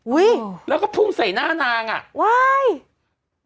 อุ้ยเราก็พุ่งใส่หน้านางอะอะเเห้ย